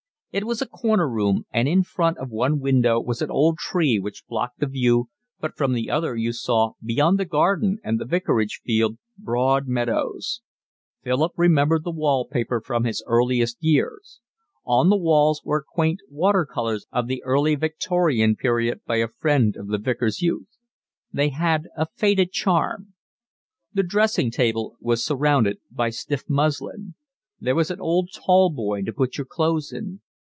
It was a corner room and in front of one window was an old tree which blocked the view, but from the other you saw, beyond the garden and the vicarage field, broad meadows. Philip remembered the wall paper from his earliest years. On the walls were quaint water colours of the early Victorian period by a friend of the Vicar's youth. They had a faded charm. The dressing table was surrounded by stiff muslin. There was an old tall boy to put your clothes in.